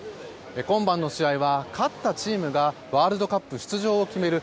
今晩の試合は勝ったチームがワールドカップ出場を決める